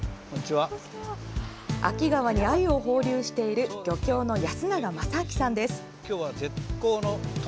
秋川にアユを放流している漁協の安永勝昭さんです。